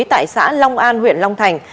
tại xã long an huyện long thành